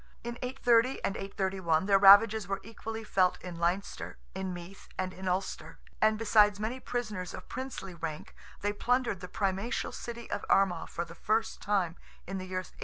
In 830 and 831, their ravages were equally felt in Leinster, in Meath, and in Ulster, and besides many prisoners of princely rank, they plundered the primatial city of Armagh for the first time, in the year 832.